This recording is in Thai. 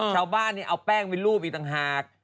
ชาวบ้านเอาแป้งไปรูปอีกต่างหาก